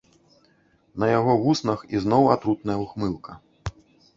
На яго вуснах ізноў атрутная ўхмылка.